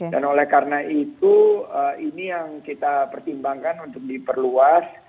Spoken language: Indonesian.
dan oleh karena itu ini yang kita pertimbangkan untuk diperluas